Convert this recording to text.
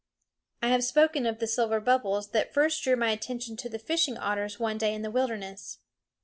I have spoken of the silver bubbles that first drew my attention to the fishing otters one day in the wilderness.